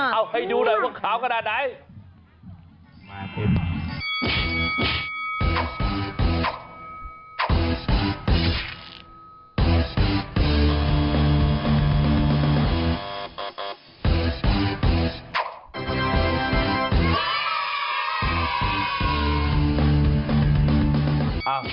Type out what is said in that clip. เอาให้ดูหน่อยว่าขาวขนาดไหน